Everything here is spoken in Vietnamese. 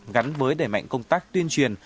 gắn với đẩy mạnh công tác tuyên truyền